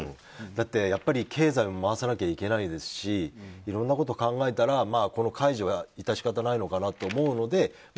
だって、経済も回さなきゃいけないですしいろんなことを考えたらこの解除は致し方ないのかなと思うので。